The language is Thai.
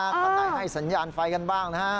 ท่านได้ให้สัญญาณไฟกันบ้างนะฮะ